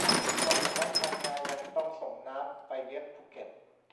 นอกจากนั้น พังงา ยังต้องส่งน้ำไปเลี้ยงภูเก็ต